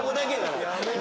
やめろ。